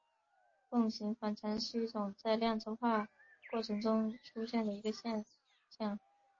共形反常是一种在量子化过程中出现的一个现象。